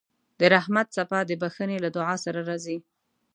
د رحمت څپه د بښنې له دعا سره راځي.